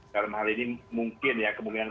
dalam hal ini mungkin ya kemungkinan itu akan berhasil